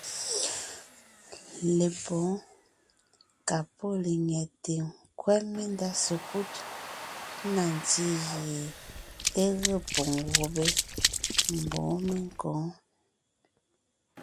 Lepwóon ka pɔ́ lenyɛte nkwɛ́ mendá sekúd na ntí gie é ge poŋ gubé mbɔ̌ menkǒ.